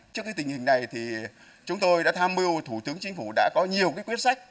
trước cái tình hình này thì chúng tôi đã tham mưu thủ tướng chính phủ đã có nhiều quyết sách